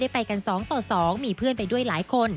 พี่มองเผลอ